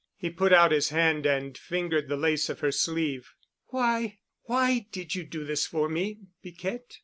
He put out his hand and fingered the lace of her sleeve. "Why—why did you do this for me, Piquette?"